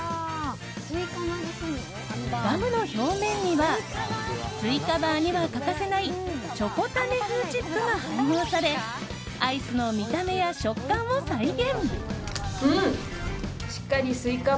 ガムの表面にはスイカバーには欠かせないチョコ種風チップが配合されアイスの見た目や食感を再現。